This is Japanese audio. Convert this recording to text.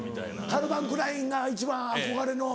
カルバン・クラインが一番憧れの。